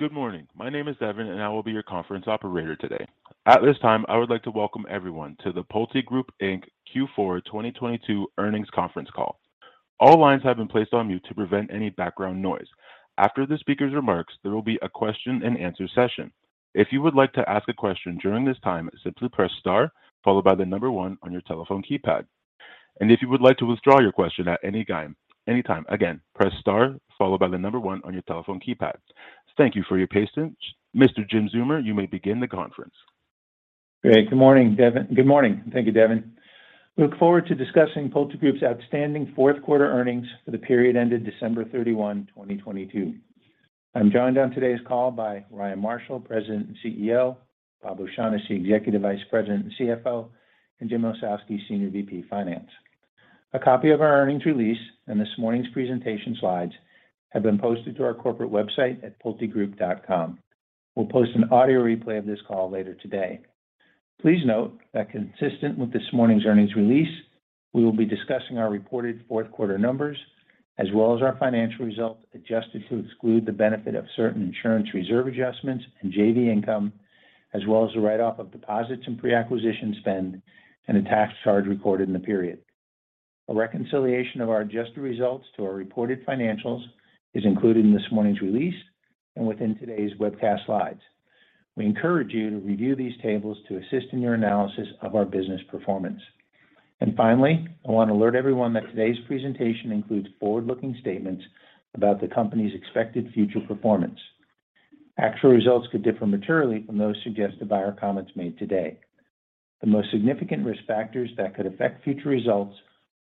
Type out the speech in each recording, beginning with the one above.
Good morning. My name is Devon, and I will be your conference operator today. At this time, I would like to welcome everyone to the PulteGroup, Inc. Q4 2022 Earnings Conference Call. All lines have been placed on mute to prevent any background noise. After the speaker's remarks, there will be a question-and-answer session. If you would like to ask a question during this time, simply press star followed by the one on your telephone keypad. If you would like to withdraw your question at anytime, again, press star followed by the one on your telephone keypad. Thank you for your patience. Mr. Jim Zeumer, you may begin the conference. Great. Good morning, Devon. Good morning. Thank you, Devon. Look forward to discussing PulteGroup's outstanding fourth quarter earnings for the period ended December 31, 2022. I'm joined on today's call by Ryan Marshall, President and CEO, Bob O'Shaughnessy, Executive Vice President and CFO, and Jim Ossowski, Senior VP Finance. A copy of our earnings release and this morning's presentation slides have been posted to our corporate website at pultegroup.com. We'll post an audio replay of this call later today. Please note that consistent with this morning's earnings release, we will be discussing our reported fourth quarter numbers as well as our financial results, adjusted to exclude the benefit of certain insurance reserve adjustments and JV income, as well as the write-off of deposits and pre-acquisition spend and a tax charge recorded in the period. A reconciliation of our adjusted results to our reported financials is included in this morning's release and within today's webcast slides. We encourage you to review these tables to assist in your analysis of our business performance. Finally, I want to alert everyone that today's presentation includes forward-looking statements about the company's expected future performance. Actual results could differ materially from those suggested by our comments made today. The most significant risk factors that could affect future results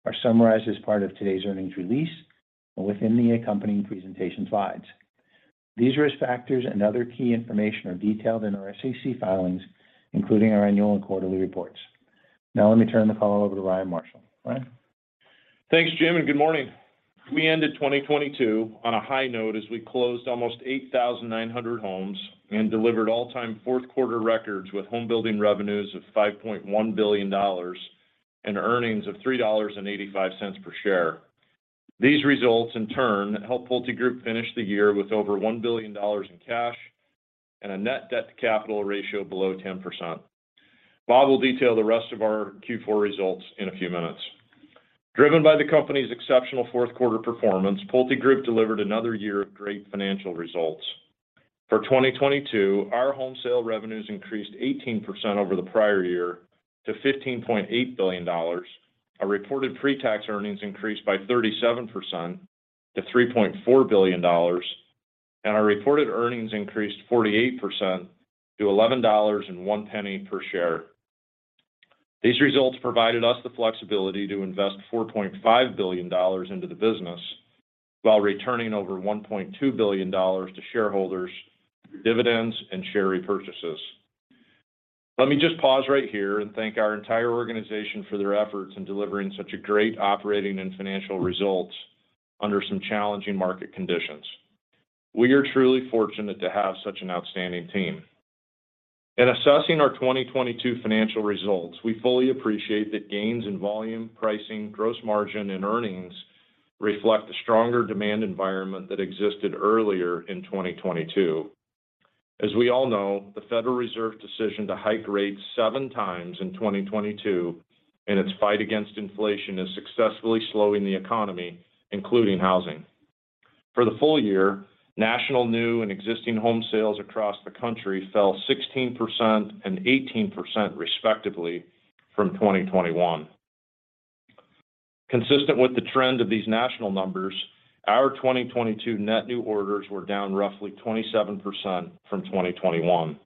are summarized as part of today's earnings release and within the accompanying presentation slides. These risk factors and other key information are detailed in our SEC filings, including our annual and quarterly reports. Let me turn the call over to Ryan Marshall. Ryan. Thanks, Jim. Good morning. We ended 2022 on a high note as we closed almost 8,900 homes and delivered all-time fourth quarter records with home building revenues of $5.1 billion and earnings of $3.85 per share. These results, in turn, helped PulteGroup finish the year with over $1 billion in cash and a net debt-to-capital ratio below 10%. Bob will detail the rest of our Q4 results in a few minutes. Driven by the company's exceptional fourth quarter performance, PulteGroup delivered another year of great financial results. For 2022, our home sale revenues increased 18% over the prior year to $15.8 billion. Our reported pre-tax earnings increased by 37% to $3.4 billion. Our reported earnings increased 48% to $11.01 per share. These results provided us the flexibility to invest $4.5 billion into the business while returning over $1.2 billion to shareholders, dividends, and share repurchases. Let me just pause right here and thank our entire organization for their efforts in delivering such a great operating and financial results under some challenging market conditions. We are truly fortunate to have such an outstanding team. In assessing our 2022 financial results, we fully appreciate that gains in volume, pricing, gross margin, and earnings reflect the stronger demand environment that existed earlier in 2022. As we all know, the Federal Reserve decision to hike rates 7x in 2022 in its fight against inflation is successfully slowing the economy, including housing. For the full year, national new and existing home sales across the country fell 16% and 18%, respectively, from 2021. Consistent with the trend of these national numbers, our 2022 net new orders were down roughly 27% from 2021.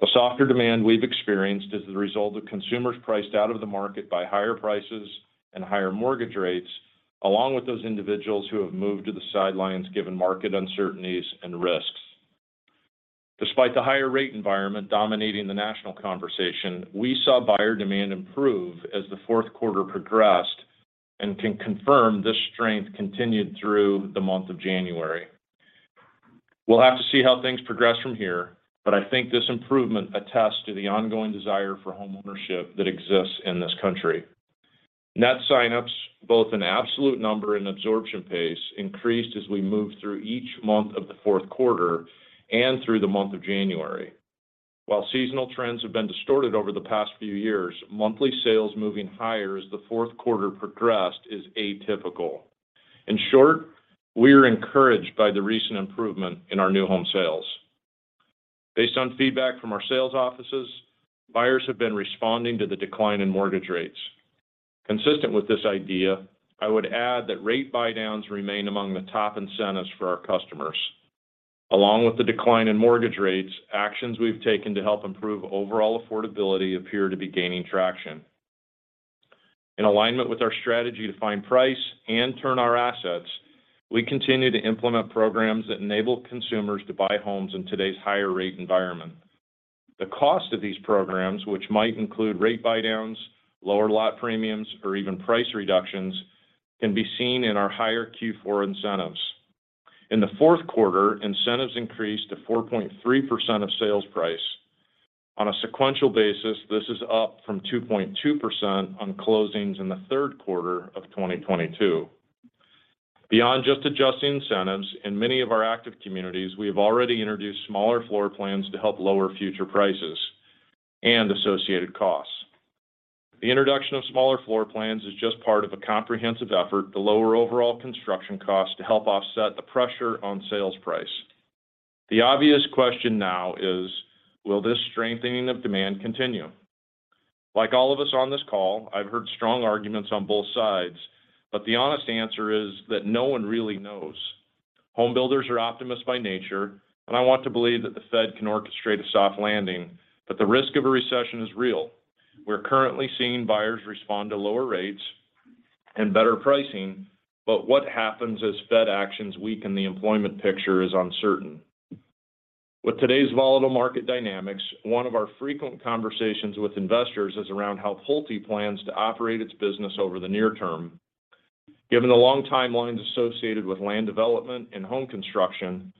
The softer demand we've experienced is the result of consumers priced out of the market by higher prices and higher mortgage rates, along with those individuals who have moved to the sidelines given market uncertainties and risks. Despite the higher rate environment dominating the national conversation, we saw buyer demand improve as the fourth quarter progressed and can confirm this strength continued through the month of January. We'll have to see how things progress from here, but I think this improvement attests to the ongoing desire for homeownership that exists in this country. Net sign-ups, both in absolute number and absorption pace, increased as we moved through each month of the fourth quarter and through the month of January. While seasonal trends have been distorted over the past few years, monthly sales moving higher as the fourth quarter progressed is atypical. In short, we are encouraged by the recent improvement in our new home sales. Based on feedback from our sales offices, buyers have been responding to the decline in mortgage rates. Consistent with this idea, I would add that rate buydowns remain among the top incentives for our customers. Along with the decline in mortgage rates, actions we've taken to help improve overall affordability appear to be gaining traction. In alignment with our strategy to find price and turn our assets, we continue to implement programs that enable consumers to buy homes in today's higher rate environment. The cost of these programs, which might include rate buydowns, lower lot premiums, or even price reductions, can be seen in our higher Q4 incentives. In the fourth quarter, incentives increased to 4.3% of sales price. On a sequential basis, this is up from 2.2% on closings in the third quarter of 2022. Beyond just adjusting incentives, in many of our active communities, we have already introduced smaller floor plans to help lower future prices and associated costs. The introduction of smaller floor plans is just part of a comprehensive effort to lower overall construction costs to help offset the pressure on sales price. The obvious question now is: Will this strengthening of demand continue? Like all of us on this call, I've heard strong arguments on both sides, but the honest answer is that no one really knows. Home builders are optimists by nature, and I want to believe that the Fed can orchestrate a soft landing, but the risk of a recession is real. We're currently seeing buyers respond to lower rates and better pricing, but what happens as Fed actions weaken the employment picture is uncertain. With today's volatile market dynamics, one of our frequent conversations with investors is around how Pulte plans to operate its business over the near term. Given the long timelines associated with land development and home construction,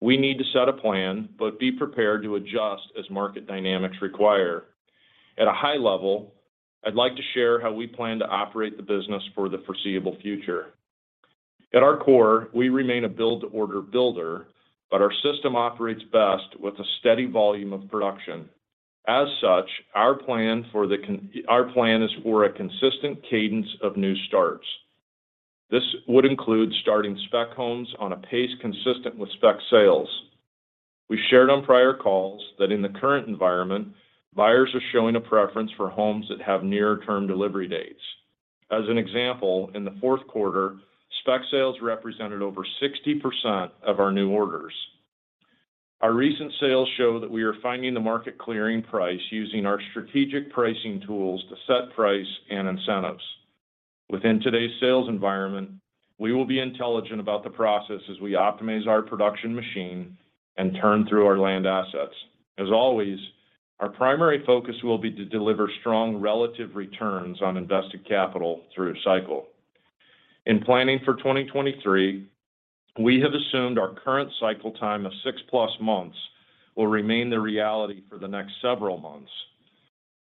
we need to set a plan but be prepared to adjust as market dynamics require. At a high level, I'd like to share how we plan to operate the business for the foreseeable future. At our core, we remain a build-to-order builder, but our system operates best with a steady volume of production. Our plan is for a consistent cadence of new starts. This would include starting spec homes on a pace consistent with spec sales. We shared on prior calls that in the current environment, buyers are showing a preference for homes that have near-term delivery dates. As an example, in the fourth quarter, spec sales represented over 60% of our new orders. Our recent sales show that we are finding the market clearing price using our strategic pricing tools to set price and incentives. Within today's sales environment, we will be intelligent about the process as we optimize our production machine and turn through our land assets. As always, our primary focus will be to deliver strong relative returns on invested capital through a cycle. In planning for 2023, we have assumed our current cycle time of six plus months will remain the reality for the next several months.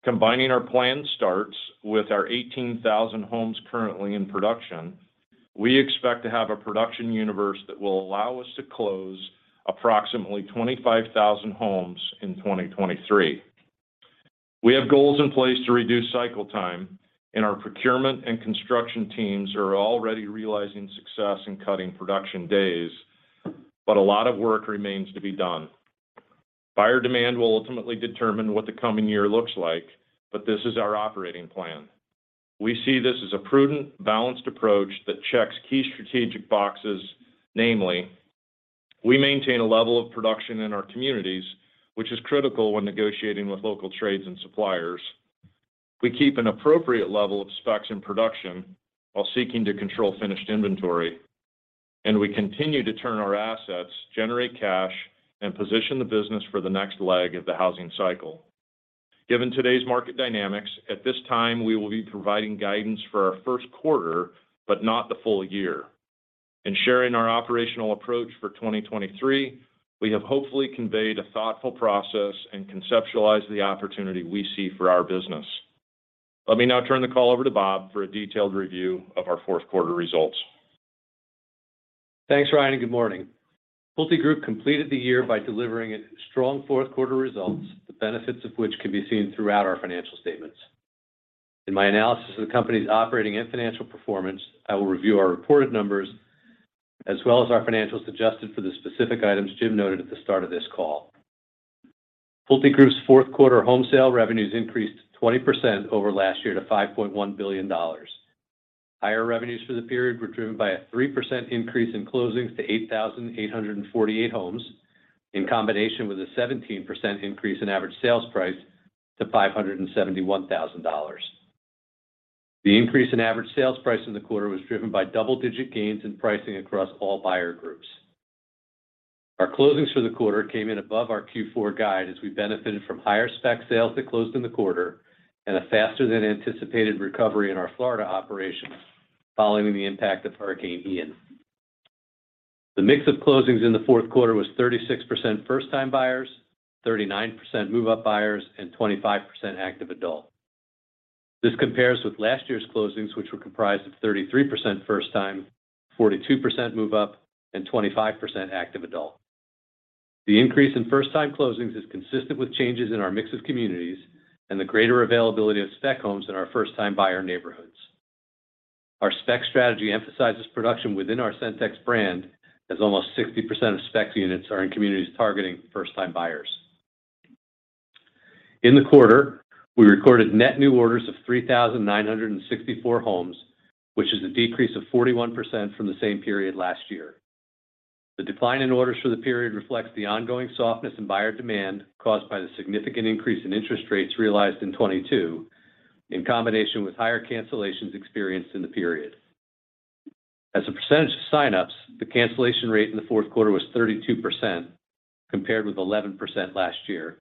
Combining our planned starts with our 18,000 homes currently in production, we expect to have a production universe that will allow us to close approximately 25,000 homes in 2023. We have goals in place to reduce cycle time, and our procurement and construction teams are already realizing success in cutting production days, but a lot of work remains to be done. Buyer demand will ultimately determine what the coming year looks like, but this is our operating plan. We see this as a prudent, balanced approach that checks key strategic boxes, namely, we maintain a level of production in our communities, which is critical when negotiating with local trades and suppliers. We keep an appropriate level of specs in production while seeking to control finished inventory, and we continue to turn our assets, generate cash, and position the business for the next leg of the housing cycle. Given today's market dynamics, at this time, we will be providing guidance for our first quarter, but not the full year. In sharing our operational approach for 2023, we have hopefully conveyed a thoughtful process and conceptualized the opportunity we see for our business. Let me now turn the call over to Bob for a detailed review of our fourth quarter results. Thanks, Ryan, good morning. PulteGroup completed the year by delivering strong fourth quarter results, the benefits of which can be seen throughout our financial statements. In my analysis of the company's operating and financial performance, I will review our reported numbers as well as our financials adjusted for the specific items Jim noted at the start of this call. PulteGroup's fourth quarter home sale revenues increased 20% over last year to $5.1 billion. Higher revenues for the period were driven by a 3% increase in closings to 8,848 homes in combination with a 17% increase in average sales price to $571,000. The increase in average sales price in the quarter was driven by double-digit gains in pricing across all buyer groups. Our closings for the quarter came in above our Q4 guide as we benefited from higher spec sales that closed in the quarter and a faster than anticipated recovery in our Florida operations following the impact of Hurricane Ian. The mix of closings in the fourth quarter was 36% first-time buyers, 39% move-up buyers, and 25% active adult. This compares with last year's closings, which were comprised of 33% first time, 42% move up, and 25% active adult. The increase in first-time closings is consistent with changes in our mix of communities and the greater availability of spec homes in our first-time buyer neighborhoods. Our spec strategy emphasizes production within our Centex brand, as almost 60% of spec units are in communities targeting first-time buyers. In the quarter, we recorded net new orders of 3,964 homes, which is a decrease of 41% from the same period last year. The decline in orders for the period reflects the ongoing softness in buyer demand caused by the significant increase in interest rates realized in 2022, in combination with higher cancellations experienced in the period. As a percentage of sign-ups, the cancellation rate in the fourth quarter was 32%, compared with 11% last year.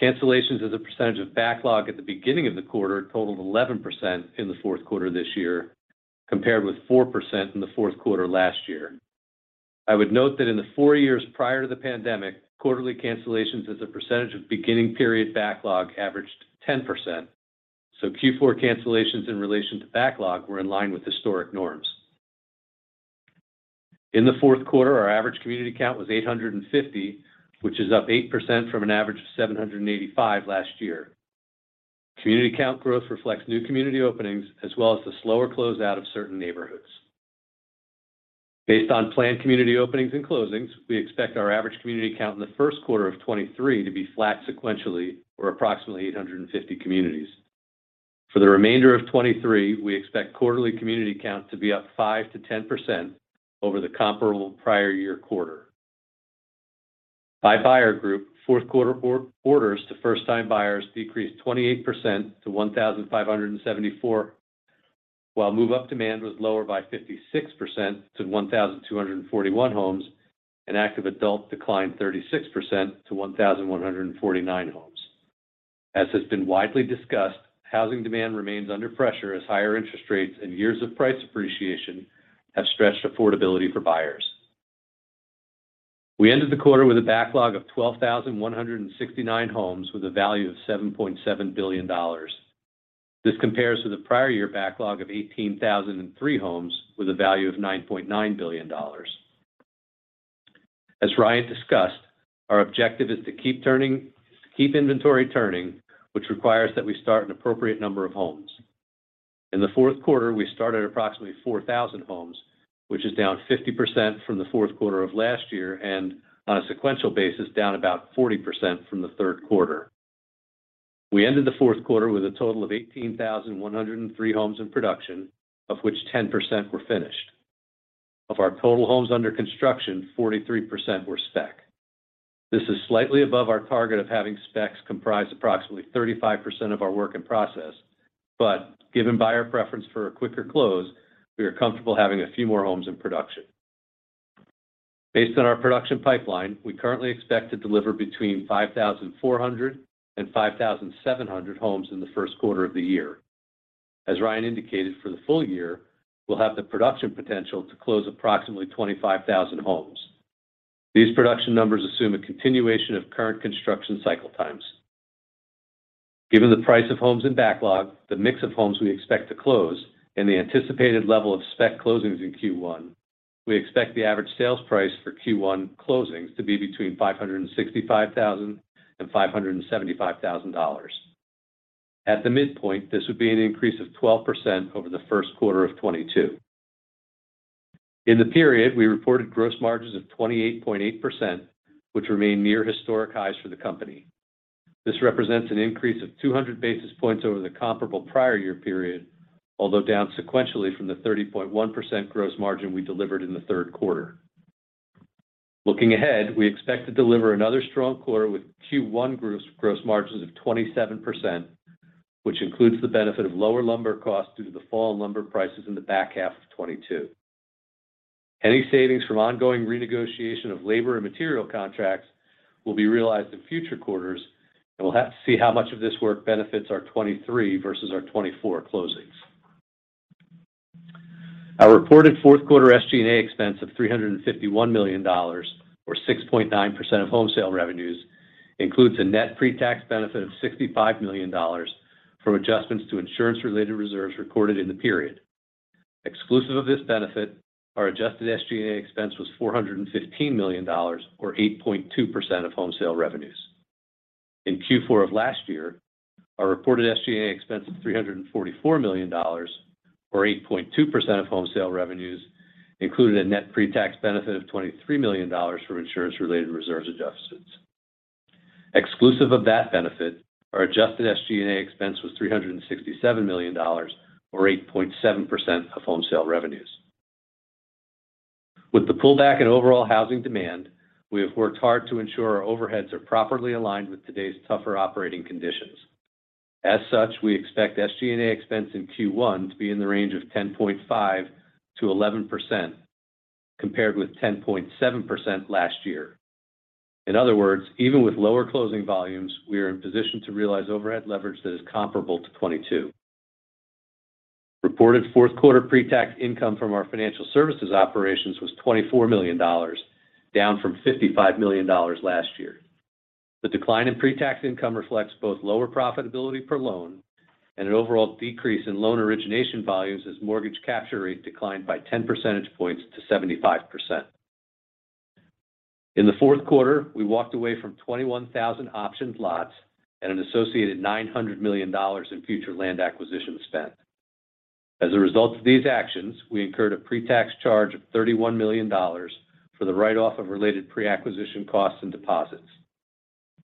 Cancellations as a percentage of backlog at the beginning of the quarter totaled 11% in the fourth quarter this year, compared with 4% in the fourth quarter last year. I would note that in the four years prior to the pandemic, quarterly cancellations as a percentage of beginning period backlog averaged 10%. Q4 cancellations in relation to backlog were in line with historic norms. In the fourth quarter, our average community count was 850, which is up 8% from an average of 785 last year. Community count growth reflects new community openings as well as the slower closeout of certain neighborhoods. Based on planned community openings and closings, we expect our average community count in the first quarter of 2023 to be flat sequentially or approximately 850 communities. For the remainder of 2023, we expect quarterly community count to be up 5%-10% over the comparable prior year quarter. By buyer group, fourth quarter orders to first-time buyers decreased 28% to 1,574, while move-up demand was lower by 56% to 1,241 homes. Active adult declined 36% to 1,149 homes. As has been widely discussed, housing demand remains under pressure as higher interest rates and years of price appreciation have stretched affordability for buyers. We ended the quarter with a backlog of 12,169 homes with a value of $7.7 billion. This compares to the prior year backlog of 18,003 homes with a value of $9.9 billion. As Ryan discussed, our objective is to keep inventory turning, which requires that we start an appropriate number of homes. In the fourth quarter, we started approximately 4,000 homes, which is down 50% from the fourth quarter of last year, and on a sequential basis, down about 40% from the third quarter. We ended the fourth quarter with a total of 18,103 homes in production, of which 10% were finished. Of our total homes under construction, 43% were spec. This is slightly above our target of having specs comprise approximately 35% of our work in process. Given buyer preference for a quicker close, we are comfortable having a few more homes in production. Based on our production pipeline, we currently expect to deliver between 5,400 and 5,700 homes in the first quarter of the year. As Ryan indicated, for the full year, we'll have the production potential to close approximately 25,000 homes. These production numbers assume a continuation of current construction cycle times. Given the price of homes in backlog, the mix of homes we expect to close, and the anticipated level of spec closings in Q1, we expect the average sales price for Q1 closings to be between $565,000 and $575,000. At the midpoint, this would be an increase of 12% over the first quarter of 2022. In the period, we reported gross margins of 28.8%, which remain near historic highs for the company. This represents an increase of 200 basis points over the comparable prior year period, although down sequentially from the 30.1% gross margin we delivered in the third quarter. Looking ahead, we expect to deliver another strong quarter with Q1 gross margins of 27%, which includes the benefit of lower lumber costs due to the fall in lumber prices in the back half of 2022. Any savings from ongoing renegotiation of labor and material contracts will be realized in future quarters, and we'll have to see how much of this work benefits our 2023 versus our 2024 closings. Our reported fourth quarter SG&A expense of $351 million or 6.9% of home sale revenues includes a net pre-tax benefit of $65 million from adjustments to insurance-related reserves recorded in the period. Exclusive of this benefit, our adjusted SG&A expense was $415 million or 8.2% of home sale revenues. In Q4 of last year, our reported SG&A expense of $344 million or 8.2% of home sale revenues included a net pre-tax benefit of $23 million from insurance-related reserves adjustments. Exclusive of that benefit, our adjusted SG&A expense was $367 million or 8.7% of home sale revenues. With the pullback in overall housing demand, we have worked hard to ensure our overheads are properly aligned with today's tougher operating conditions. As such, we expect SG&A expense in Q1 to be in the range of 10.5%-11%, compared with 10.7% last year. In other words, even with lower closing volumes, we are in position to realize overhead leverage that is comparable to 2022. Reported fourth quarter pre-tax income from our financial services operations was $24 million, down from $55 million last year. The decline in pre-tax income reflects both lower profitability per loan and an overall decrease in loan origination volumes as mortgage capture rates declined by 10 percentage points to 75%. In the fourth quarter, we walked away from 21,000 optioned lots and an associated $900 million in future land acquisition spend. As a result of these actions, we incurred a pre-tax charge of $31 million for the write off of related pre-acquisition costs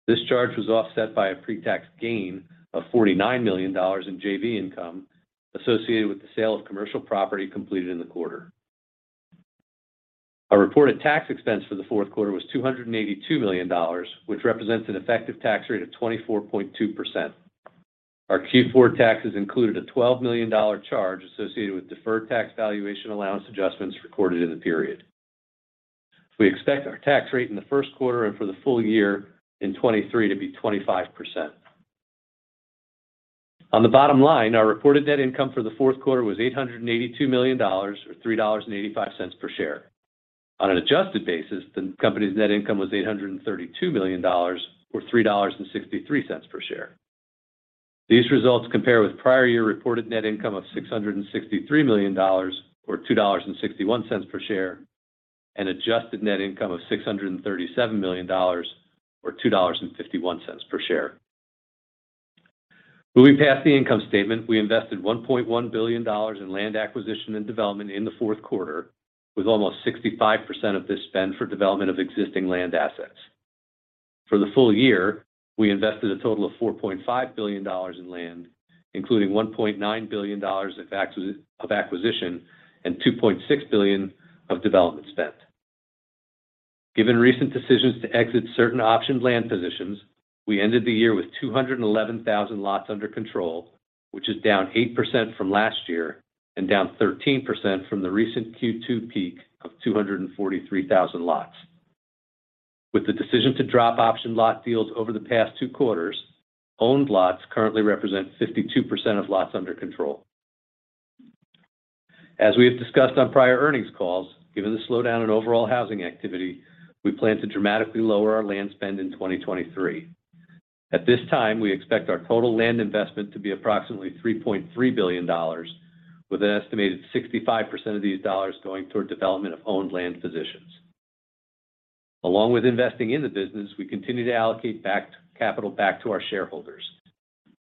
and deposits. This charge was offset by a pre-tax gain of $49 million in JV income associated with the sale of commercial property completed in the quarter. Our reported tax expense for the fourth quarter was $282 million, which represents an effective tax rate of 24.2%. Our Q4 taxes included a $12 million charge associated with deferred tax valuation allowance adjustments recorded in the period. We expect our tax rate in the first quarter and for the full year in 2023 to be 25%. On the bottom line, our reported net income for the fourth quarter was $882 million or $3.85 per share. On an adjusted basis, the company's net income was $832 million or $3.63 per share. These results compare with prior year reported net income of $663 million or $2.61 per share, adjusted net income of $637 million or $2.51 per share. Moving past the income statement, we invested $1.1 billion in land acquisition and development in the fourth quarter, with almost 65% of this spend for development of existing land assets. For the full year, we invested a total of $4.5 billion in land, including $1.9 billion of acquisition and $2.6 billion of development spend. Given recent decisions to exit certain optioned land positions, we ended the year with 211,000 lots under control, which is down 8% from last year and down 13% from the recent Q2 peak of 243,000 lots. With the decision to drop option lot deals over the past two quarters, owned lots currently represent 52% of lots under control. As we have discussed on prior earnings calls, given the slowdown in overall housing activity, we plan to dramatically lower our land spend in 2023. At this time, we expect our total land investment to be approximately $3.3 billion, with an estimated 65% of these dollars going toward development of owned land positions. Along with investing in the business, we continue to allocate capital back to our shareholders.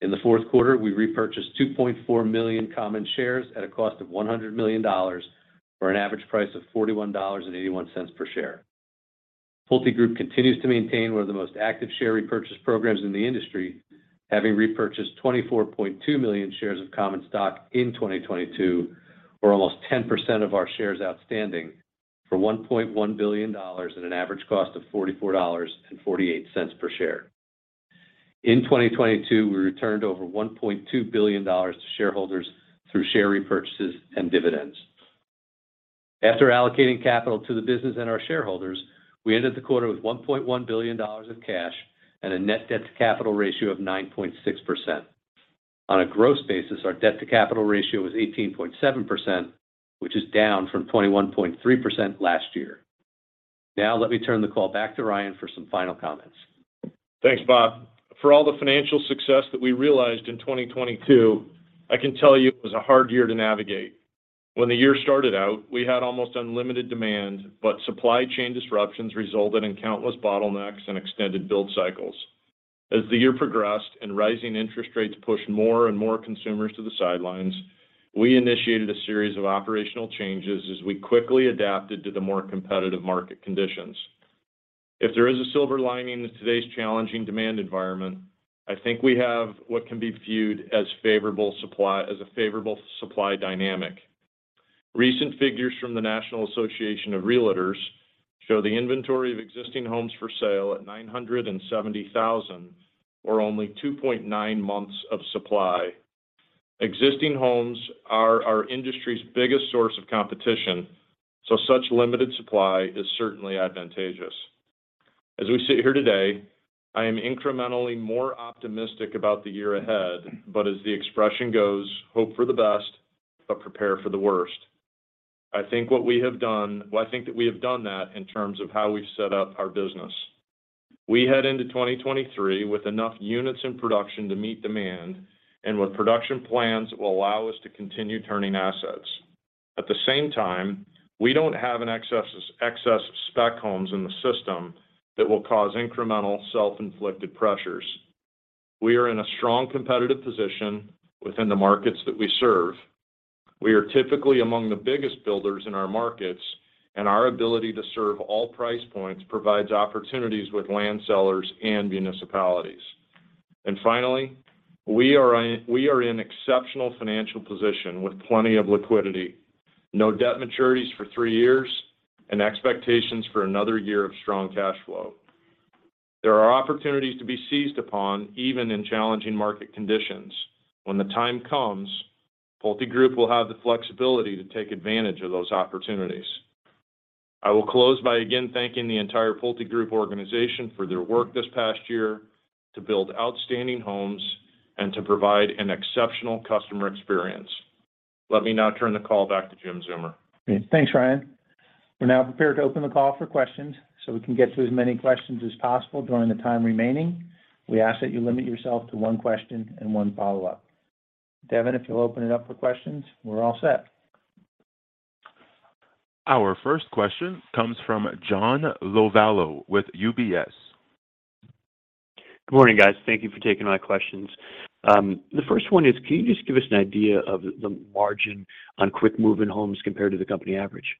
In the fourth quarter, we repurchased 2.4 million common shares at a cost of $100 million for an average price of $41.81 per share. PulteGroup continues to maintain one of the most active share repurchase programs in the industry, having repurchased 24.2 million shares of common stock in 2022 or almost 10% of our shares outstanding for $1.1 billion at an average cost of $44.48 per share. In 2022, we returned over $1.2 billion to shareholders through share repurchases and dividends. After allocating capital to the business and our shareholders, we ended the quarter with $1.1 billion of cash and a net debt-to-capital ratio of 9.6%. On a gross basis, our debt-to-capital ratio was 18.7%, which is down from 21.3% last year. Let me turn the call back to Ryan for some final comments. Thanks, Bob. For all the financial success that we realized in 2022, I can tell you it was a hard year to navigate. When the year started out, we had almost unlimited demand, but supply chain disruptions resulted in countless bottlenecks and extended build cycles. As the year progressed and rising interest rates pushed more and more consumers to the sidelines, we initiated a series of operational changes as we quickly adapted to the more competitive market conditions. If there is a silver lining in today's challenging demand environment, I think we have what can be viewed as favorable supply as a favorable supply dynamic. Recent figures from the National Association of Realtors show the inventory of existing homes for sale at 970,000, or only 2.9 months of supply. Existing homes are our industry's biggest source of competition. Such limited supply is certainly advantageous. As we sit here today, I am incrementally more optimistic about the year ahead. As the expression goes, "Hope for the best, but prepare for the worst." Well, I think that we have done that in terms of how we've set up our business. We head into 2023 with enough units in production to meet demand and with production plans that will allow us to continue turning assets. At the same time, we don't have an excess of spec homes in the system that will cause incremental self-inflicted pressures. We are in a strong competitive position within the markets that we serve. We are typically among the biggest builders in our markets, and our ability to serve all price points provides opportunities with land sellers and municipalities. Finally, we are in exceptional financial position with plenty of liquidity, no debt maturities for three years, and expectations for another year of strong cash flow. There are opportunities to be seized upon even in challenging market conditions. When the time comes, PulteGroup will have the flexibility to take advantage of those opportunities. I will close by again thanking the entire PulteGroup organization for their work this past year to build outstanding homes and to provide an exceptional customer experience. Let me now turn the call back to Jim Zeumer. Thanks, Ryan. We're now prepared to open the call for questions. We can get to as many questions as possible during the time remaining, we ask that you limit yourself to one question and one follow-up. Devin, if you'll open it up for questions, we're all set. Our first question comes from John Lovallo with UBS. Good morning, guys. Thank you for taking my questions. The first one is, can you just give us an idea of the margin on quick move-in homes compared to the company average?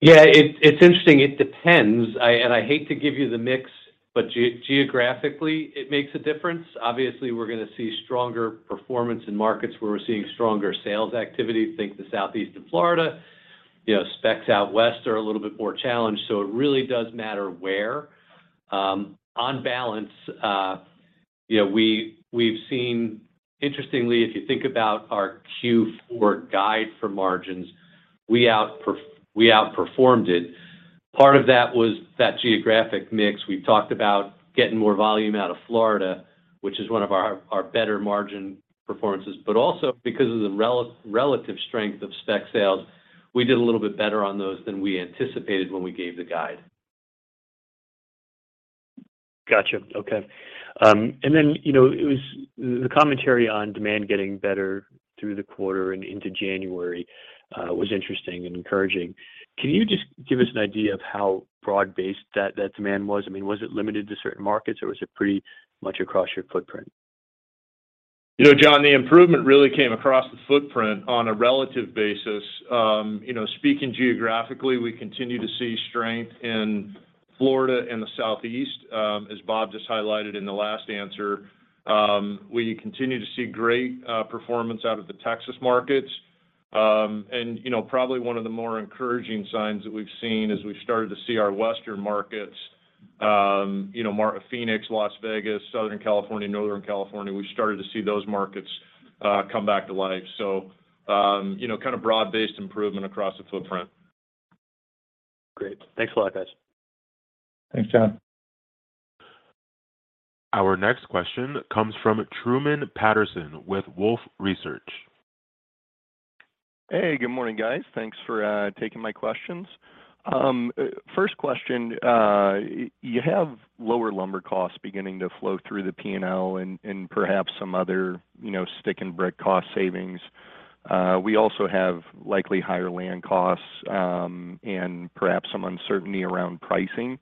Yeah, it's interesting. It depends. I hate to give you the mix, but geographically, it makes a difference. Obviously, we're going to see stronger performance in markets where we're seeing stronger sales activity. Think the Southeast of Florida. You know, specs out West are a little bit more challenged. It really does matter where. On balance, you know, we've seen. Interestingly, if you think about our Q4 guide for margins, we outperformed it. Part of that was that geographic mix. We've talked about getting more volume out of Florida, which is one of our better margin performances. But also because of the relative strength of spec sales, we did a little bit better on those than we anticipated when we gave the guide. Gotcha. Okay. Then, you know, the commentary on demand getting better through the quarter and into January, was interesting and encouraging. Can you just give us an idea of how broad-based that demand was? I mean, was it limited to certain markets, or was it pretty much across your footprint? You know, John, the improvement really came across the footprint on a relative basis. You know, speaking geographically, we continue to see strength in Florida and the Southeast, as Bob just highlighted in the last answer. We continue to see great performance out of the Texas markets. You know, probably one of the more encouraging signs that we've seen is we've started to see our Western markets, you know, Phoenix, Las Vegas, Southern California, Northern California, we started to see those markets come back to life. You know, kind of broad-based improvement across the footprint. Great. Thanks a lot, guys. Thanks, John. Our next question comes from Truman Patterson with Wolfe Research. Hey, good morning, guys. Thanks for taking my questions. First question. You have lower lumber costs beginning to flow through the P&L and perhaps some other, you know, stick and brick cost savings. We also have likely higher land costs and perhaps some uncertainty around pricing.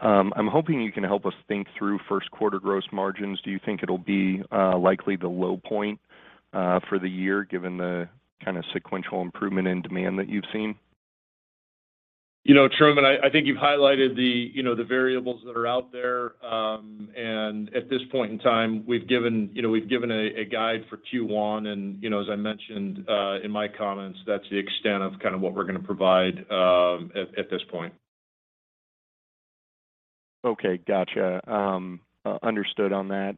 I'm hoping you can help us think through first quarter gross margins. Do you think it'll be likely the low point for the year, given the kind of sequential improvement in demand that you've seen? You know, Truman, I think you've highlighted the, you know, the variables that are out there. At this point in time, we've given, you know, we've given a guide for Q1. You know, as I mentioned, in my comments, that's the extent of kind of what we're gonna provide, at this point. Okay. Gotcha. understood on that.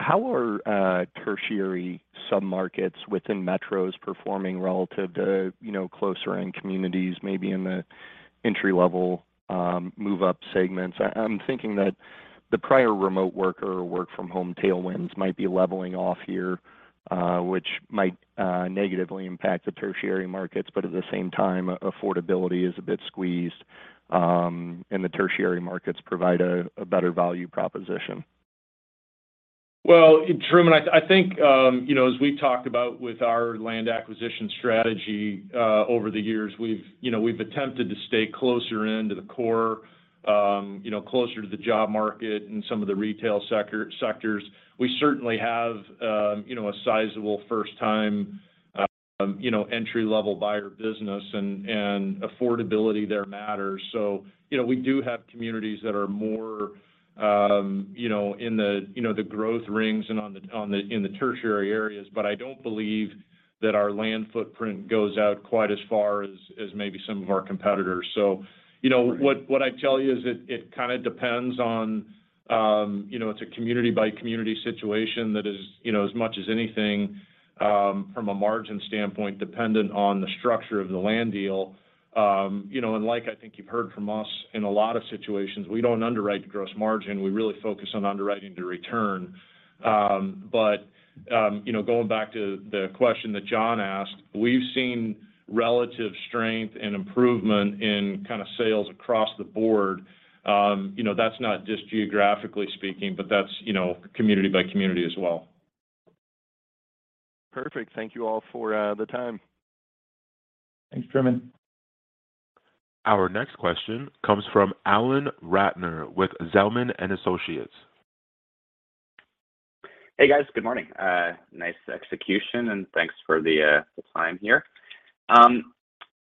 How are tertiary submarkets within metros performing relative to, you know, closer-in communities, maybe in the entry-level, move-up segments? I'm thinking that the prior remote work or work from home tailwinds might be leveling off here, which might negatively impact the tertiary markets. At the same time, affordability is a bit squeezed, and the tertiary markets provide a better value proposition. Well, Truman, I think, you know, as we talked about with our land acquisition strategy, over the years, we've, you know, we've attempted to stay closer into the core, you know, closer to the job market and some of the retail sectors. We certainly have, you know, a sizable first-time, you know, entry-level buyer business and affordability there matters. You know, we do have communities that are more, you know, in the, you know, the growth rings and on the, in the tertiary areas. I don't believe that our land footprint goes out quite as far as maybe some of our competitors. You know, what I tell you is it kind of depends on, you know, it's a community by community situation that is, you know, as much as anything, from a margin standpoint, dependent on the structure of the land deal. You know, and like I think you've heard from us in a lot of situations, we don't underwrite the gross margin. We really focus on underwriting the return. You know, going back to the question that John asked, we've seen relative strength and improvement in kind of sales across the board. You know, that's not just geographically speaking, but that's, you know, community by community as well. Perfect. Thank you all for the time. Thanks, Truman. Our next question comes from Alan Ratner with Zelman & Associates. Hey, guys. Good morning. nice execution, and thanks for the time here.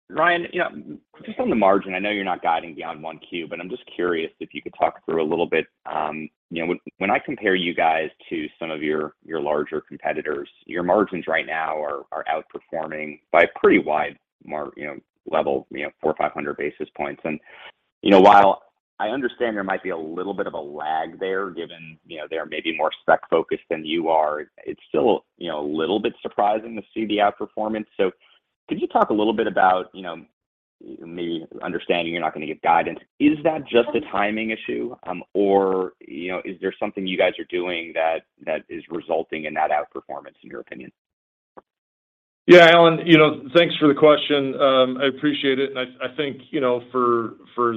Ryan, you know, just on the margin, I know you're not guiding beyond 1Q, but I'm just curious if you could talk through a little bit. you know, when I compare you guys to some of your larger competitors, your margins right now are outperforming by a pretty wide level, you know, 400-500 basis points. You know, while I understand there might be a little bit of a lag there given, you know, they are maybe more spec-focused than you are, it's still, you know, a little bit surprising to see the outperformance. Could you talk a little bit about, you know, me understanding you're not gonna give guidance, is that just a timing issue? You know, is there something you guys are doing that is resulting in that outperformance in your opinion? Yeah, Alan, you know, thanks for the question. I appreciate it. I think, you know, for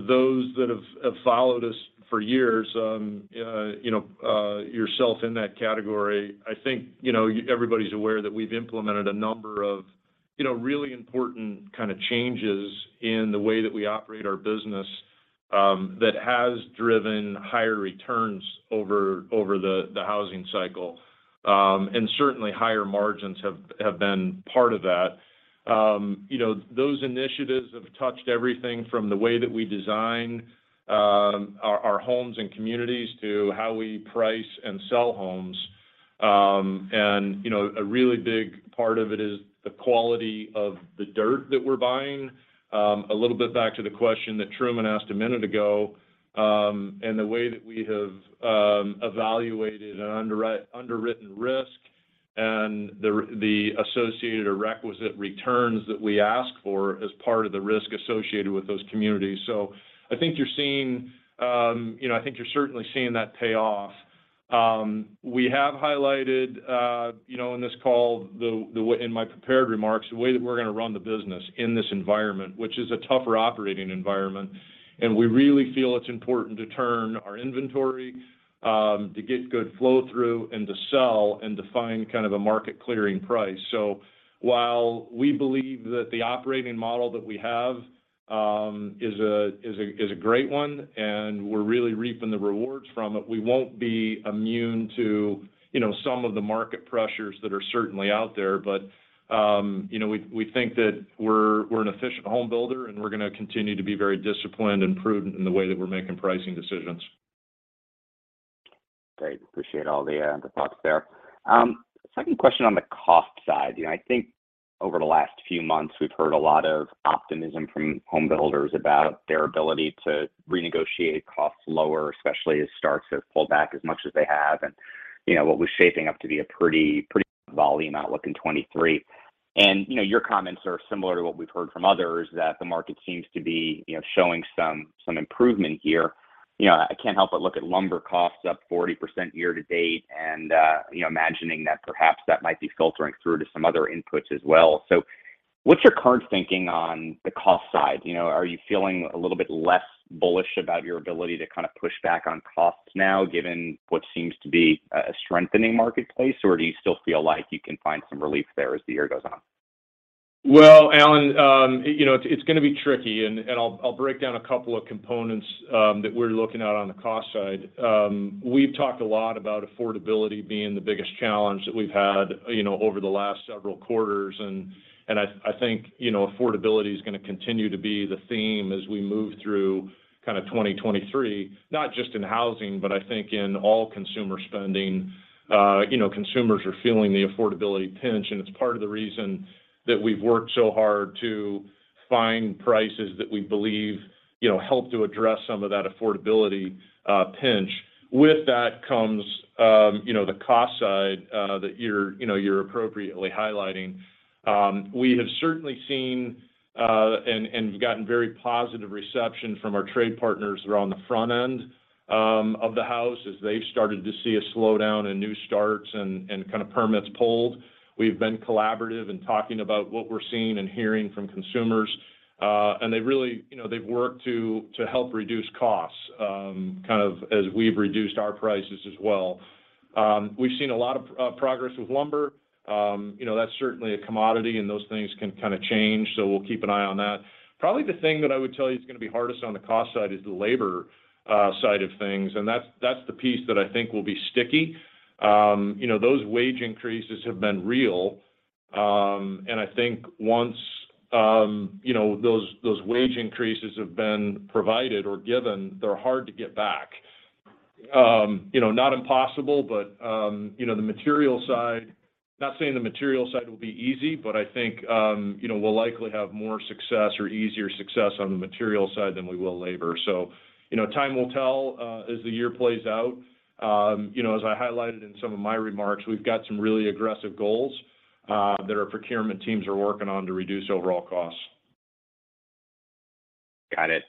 those that have followed us for years, you know, yourself in that category, I think, you know, everybody's aware that we've implemented a number of, you know, really important kind of changes in the way that we operate our business, that has driven higher returns over the housing cycle. Certainly higher margins have been part of that. You know, those initiatives have touched everything from the way that we design our homes and communities to how we price and sell homes. You know, a really big part of it is the quality of the dirt that we're buying. A little bit back to the question that Truman asked a minute ago, the way that we have evaluated an underwritten risk. The associated or requisite returns that we ask for as part of the risk associated with those communities. I think you're seeing, you know, I think you're certainly seeing that pay off. We have highlighted, you know, in this call the way in my prepared remarks, the way that we're gonna run the business in this environment, which is a tougher operating environment. We really feel it's important to turn our inventory, to get good flow through and to sell and to find kind of a market-clearing price. While we believe that the operating model that we have, is a great one, and we're really reaping the rewards from it, we won't be immune to, you know, some of the market pressures that are certainly out there. You know, we think that we're an efficient home builder, and we're gonna continue to be very disciplined and prudent in the way that we're making pricing decisions. Great. Appreciate all the thoughts there. Second question on the cost side. You know, I think over the last few months, we've heard a lot of optimism from home builders about their ability to renegotiate costs lower, especially as starts have pulled back as much as they have, and, you know, what was shaping up to be a pretty volume outlook in 2023. You know, your comments are similar to what we've heard from others that the market seems to be, you know, showing some improvement here. You know, I can't help but look at lumber costs up 40% year to date and, you know, imagining that perhaps that might be filtering through to some other inputs as well. What's your current thinking on the cost side? You know, are you feeling a little bit less bullish about your ability to kind of push back on costs now, given what seems to be a strengthening marketplace, or do you still feel like you can find some relief there as the year goes on? Well, Alan, you know, it's gonna be tricky, and I'll break down a couple of components that we're looking at on the cost side. We've talked a lot about affordability being the biggest challenge that we've had, you know, over the last several quarters and I think, you know, affordability is gonna continue to be the theme as we move through kind of 2023, not just in housing, but I think in all consumer spending. You know, consumers are feeling the affordability pinch, and it's part of the reason that we've worked so hard to find prices that we believe, you know, help to address some of that affordability pinch. With that comes, you know, the cost side that you're, you know, you're appropriately highlighting. We have certainly seen and gotten very positive reception from our trade partners around the front end of the house as they've started to see a slowdown in new starts and kind of permits pulled. We've been collaborative in talking about what we're seeing and hearing from consumers. You know, they've worked to help reduce costs kind of as we've reduced our prices as well. We've seen a lot of progress with lumber. You know, that's certainly a commodity, and those things can kind of change, so we'll keep an eye on that. Probably the thing that I would tell you is gonna be hardest on the cost side is the labor side of things, and that's the piece that I think will be sticky. You know, those wage increases have been real. I think once, you know, those wage increases have been provided or given, they're hard to get back. You know, not impossible, but, you know, the material side. Not saying the material side will be easy, but I think, you know, we'll likely have more success or easier success on the material side than we will labor. You know, time will tell, as the year plays out. You know, as I highlighted in some of my remarks, we've got some really aggressive goals, that our procurement teams are working on to reduce overall costs. Got it.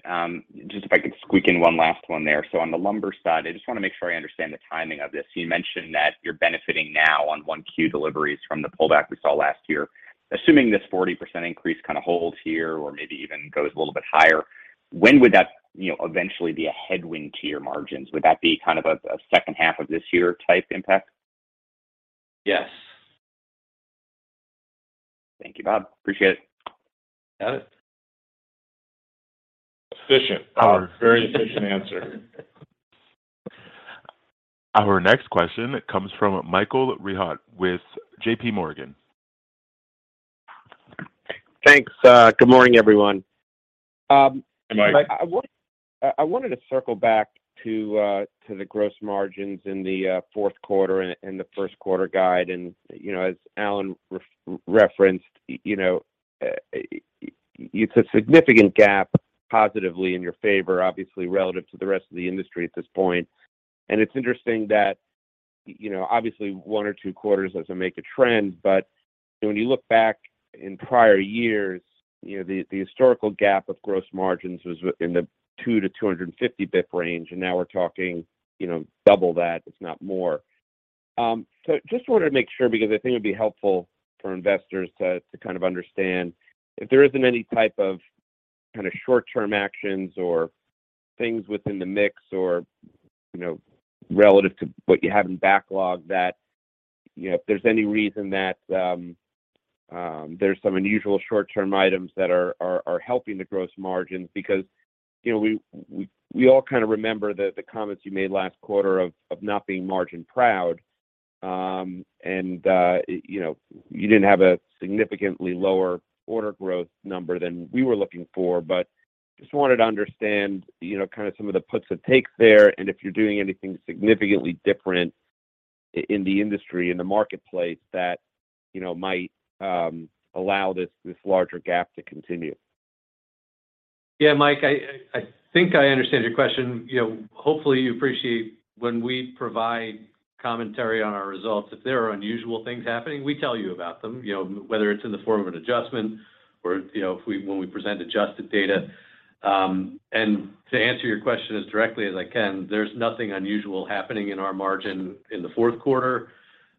Just if I could squeak in one last one there. On the lumber side, I just want to make sure I understand the timing of this. You mentioned that you're benefiting now on 1Q deliveries from the pullback we saw last year. Assuming this 40% increase kind of holds here or maybe even goes a little bit higher, when would that, you know, eventually be a headwind to your margins? Would that be kind of a second half of this year type impact? Yes. Thank you, Bob. Appreciate it. Got it. Efficient. Oh. Very efficient answer. Our next question comes from Michael Rehaut with JPMorgan. Thanks. Good morning, everyone. Hey, Mike. I wanted to circle back to the gross margins in the fourth quarter and the first quarter guide. you know, as Alan referenced, you know, it's a significant gap positively in your favor, obviously relative to the rest of the industry at this point. it's interesting that, you know, obviously one or two quarters doesn't make a trend, but when you look back in prior years, you know, the historical gap of gross margins was in the 2-250 basis points range, and now we're talking, you know, double that, if not more. Just wanted to make sure because I think it'd be helpful for investors to kind of understand if there isn't any type of short-term actions or things within the mix or, you know, relative to what you have in backlog that, you know, if there's any reason that there's some unusual short-term items that are helping the gross margins. You know, we all kind of remember the comments you made last quarter of not being margin proud. you know, you didn't have a significantly lower order growth number than we were looking for, but just wanted to understand, you know, kind of some of the puts and takes there, and if you're doing anything significantly different in the industry, in the marketplace that, you know, might allow this larger gap to continue. Yeah, Mike, I think I understand your question. You know, hopefully you appreciate when we provide commentary on our results, if there are unusual things happening, we tell you about them, you know, whether it's in the form of an adjustment or, when we present adjusted data. To answer your question as directly as I can, there's nothing unusual happening in our margin in the fourth quarter.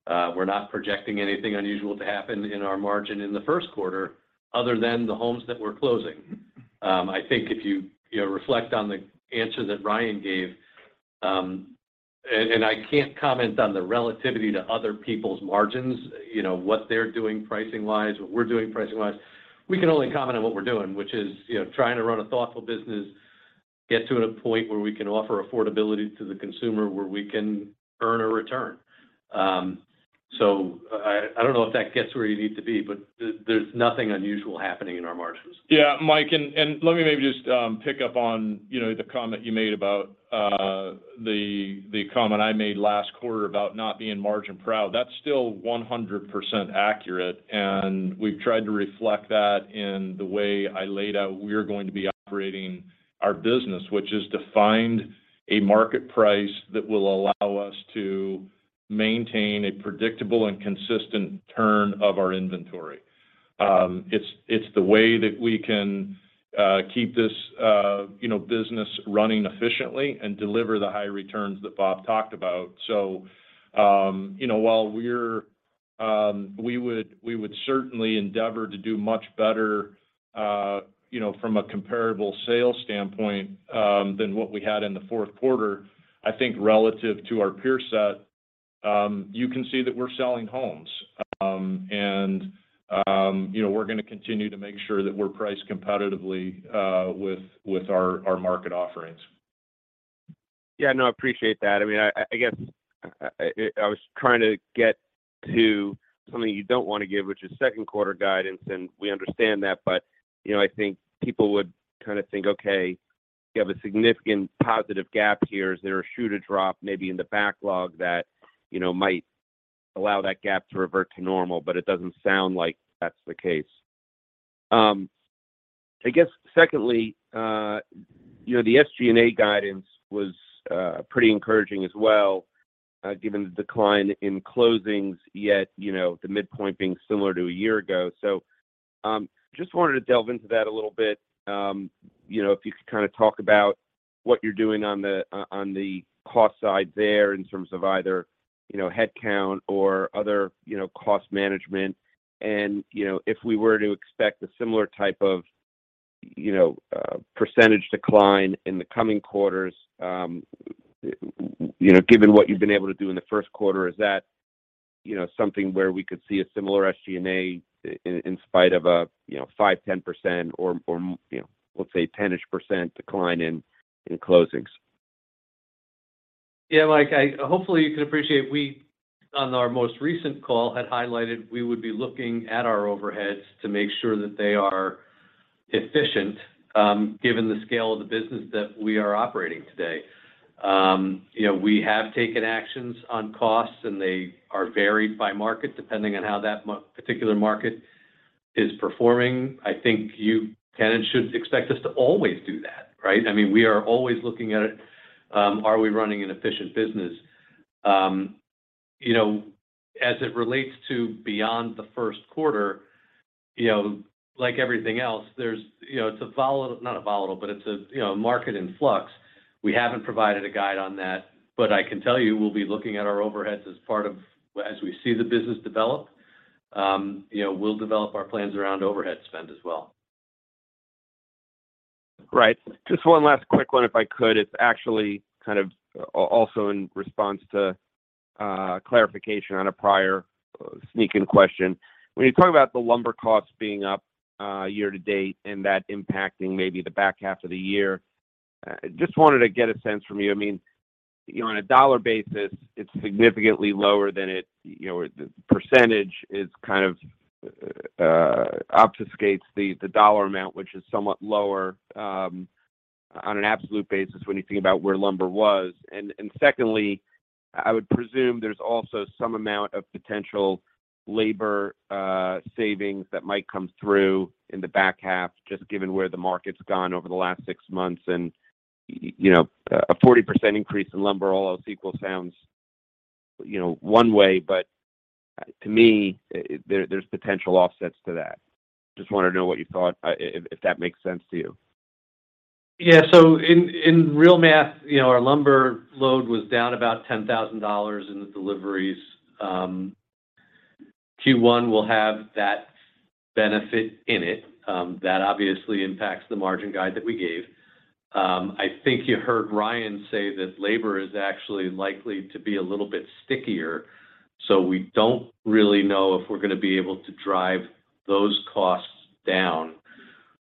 We're not projecting anything unusual to happen in our margin in the first quarter other than the homes that we're closing. I think if you know, reflect on the answer that Ryan gave, and I can't comment on the relativity to other people's margins, you know, what they're doing pricing-wise, what we're doing pricing-wise. We can only comment on what we're doing, which is, you know, trying to run a thoughtful business, get to a point where we can offer affordability to the consumer, where we can earn a return. I don't know if that gets where you need to be, but there's nothing unusual happening in our margins. Yeah, Mike, let me maybe just pick up on, you know, the comment you made about the comment I made last quarter about not being margin-proud. That's still 100% accurate. We've tried to reflect that in the way I laid out we're going to be operating our business, which is to find a market price that will allow us to maintain a predictable and consistent turn of our inventory. It's the way that we can keep this, you know, business running efficiently and deliver the high returns that Bob talked about. You know, while we're, we would certainly endeavor to do much better, you know, from a comparable sales standpoint, than what we had in the fourth quarter, I think relative to our peer set, you can see that we're selling homes. You know, we're gonna continue to make sure that we're priced competitively with our market offerings. Yeah, no, I appreciate that. I mean, I guess I was trying to get to something you don't want to give, which is second quarter guidance, and we understand that. You know, I think people would kind of think, okay, you have a significant positive gap here. Is there a shoe to drop maybe in the backlog that, you know, might allow that gap to revert to normal? It doesn't sound like that's the case. I guess secondly, you know, the SG&A guidance was pretty encouraging as well, given the decline in closings, yet, you know, the midpoint being similar to a year ago. Just wanted to delve into that a little bit. You know, if you could kind of talk about what you're doing on the, on the cost side there in terms of either, you know, headcount or other, you know, cost management. You know, if we were to expect a similar type of, you know, percentage decline in the coming quarters, you know, given what you've been able to do in the first quarter, is that, you know, something where we could see a similar SG&A in spite of a, you know, 5%-10% or, you know, let's say 10-ish% decline in closings? Mike, hopefully you can appreciate we, on our most recent call, had highlighted we would be looking at our overheads to make sure that they are efficient, given the scale of the business that we are operating today. You know, we have taken actions on costs, and they are varied by market, depending on how that particular market is performing. I think you can and should expect us to always do that, right? I mean, we are always looking at it. Are we running an efficient business? You know, as it relates to beyond the first quarter, you know, like everything else, there's, you know, it's a volatile, not a volatile, but it's a, you know, market in flux. We haven't provided a guide on that. I can tell you, we'll be looking at our overheads as part of... as we see the business develop. You know, we'll develop our plans around overhead spend as well. Right. Just one last quick one, if I could. It's actually kind of also in response to clarification on a prior sneak-in question. When you talk about the lumber costs being up year to date and that impacting maybe the back half of the year, just wanted to get a sense from you. I mean, you know, on a dollar basis, it's significantly lower than it... You know, the percentage is kind of obfuscates the dollar amount, which is somewhat lower, on an absolute basis when you think about where lumber was. Secondly, I would presume there's also some amount of potential labor savings that might come through in the back half, just given where the market's gone over the last six months. You know, a 40% increase in lumber, all else equal, sounds, you know, one way, but to me, there's potential offsets to that. Just wanted to know what you thought, if that makes sense to you. Yeah. In, in real math, you know, our lumber load was down about $10,000 in the deliveries. Q1 will have that benefit in it. That obviously impacts the margin guide that we gave. I think you heard Ryan say that labor is actually likely to be a little bit stickier, so we don't really know if we're going to be able to drive those costs down.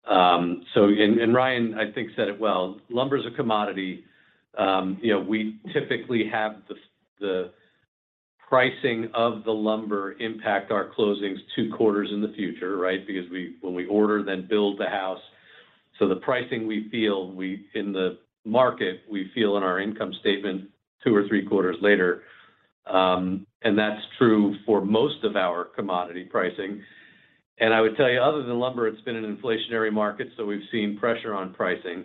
Ryan, I think, said it well. Lumber is a commodity. You know, we typically have the pricing of the lumber impact our closings two quarters in the future, right? Because when we order then build the house. The pricing we feel in the market, we feel in our income statement two or three quarters later. That's true for most of our commodity pricing. I would tell you, other than lumber, it's been an inflationary market, so we've seen pressure on pricing.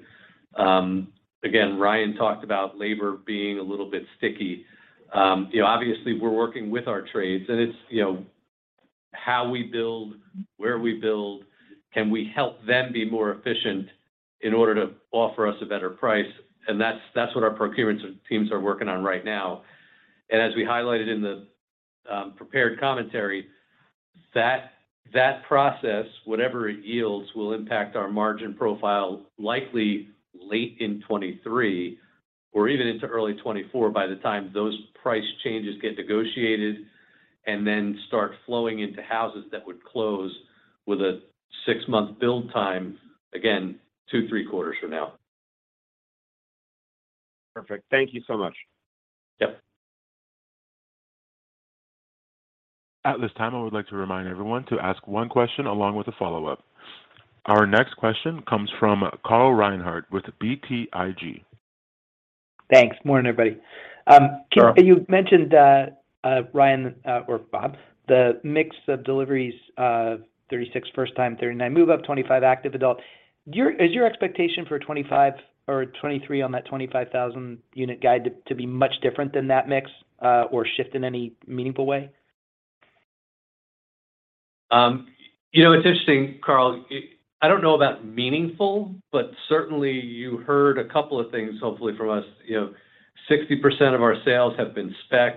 Again, Ryan talked about labor being a little bit sticky. you know, obviously we're working with our trades, and it's, you know, how we build, where we build, can we help them be more efficient in order to offer us a better price? That's what our procurement teams are working on right now. As we highlighted in the prepared commentary, that process, whatever it yields, will impact our margin profile likely late in 2023 or even into early 2024 by the time those price changes get negotiated and then start flowing into houses that would close with a six-month build time, again, two, three quarters from now. Perfect. Thank you so much. Yep. At this time, I would like to remind everyone to ask one question along with a follow-up. Our next question comes from Carl Reichardt with BTIG. Thanks. Morning, everybody. Carl. You mentioned, Ryan, or Bob, the mix of deliveries, 36% first time, 39% move-up, 25% active adult. Is your expectation for 2025 or 2023 on that 25,000 unit guide to be much different than that mix, or shift in any meaningful way? You know, it's interesting, Carl. I don't know about meaningful, but certainly you heard a couple of things hopefully from us. You know, 60% of our sales have been spec.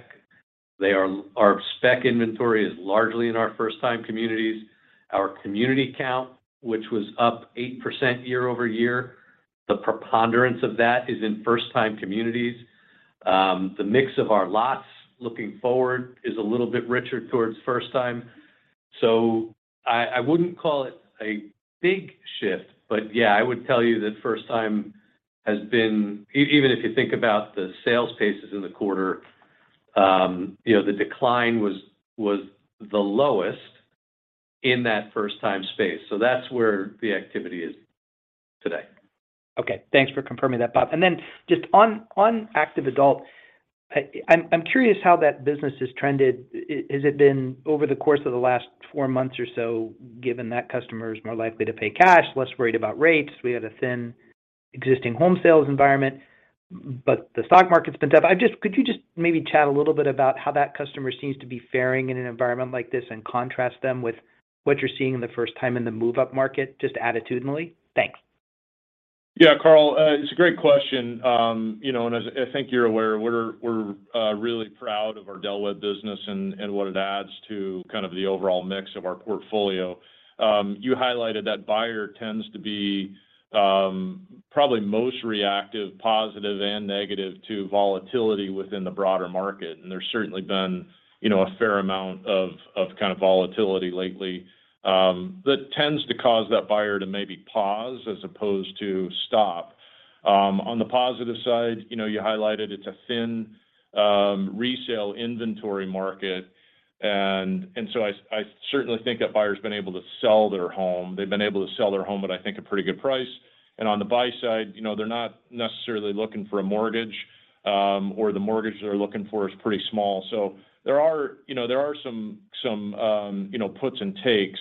Our spec inventory is largely in our first-time communities. Our community count, which was up 8% year-over-year, the preponderance of that is in first-time communities. The mix of our lots looking forward is a little bit richer towards first time. I wouldn't call it a big shift. Yeah, I would tell you that first time has been... Even if you think about the sales paces in the quarter, you know, the decline was the lowest in that first time space. That's where the activity is today. Okay. Thanks for confirming that, Bob. Just on active adult, I'm curious how that business has trended. Has it been over the course of the last four months or so, given that customer is more likely to pay cash, less worried about rates. We had a thin existing home sales environment, but the stock market's been tough. Could you just maybe chat a little bit about how that customer seems to be faring in an environment like this and contrast them with what you're seeing in the first time in the move-up market, just attitudinally? Thanks. Yeah. Carl, it's a great question. You know, as I think you're aware, we're really proud of our Del Webb business and what it adds to kind of the overall mix of our portfolio. You highlighted that buyer tends to be probably most reactive, positive and negative to volatility within the broader market. There's certainly been, you know, a fair amount of kind of volatility lately, that tends to cause that buyer to maybe pause as opposed to stop. On the positive side, you know, you highlighted it's a thin, resale inventory market. So I certainly think that buyer's been able to sell their home. They've been able to sell their home at I think a pretty good price. On the buy side, you know, they're not necessarily looking for a mortgage, or the mortgage they're looking for is pretty small. There are, you know, there are some, you know, puts and takes.